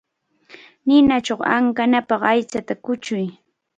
Ninachaw ankanapaq aychata kuchuy.